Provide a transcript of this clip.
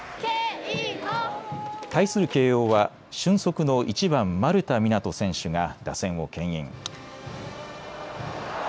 対する慶応は俊足の１番・丸田湊斗選手が打線をけん引。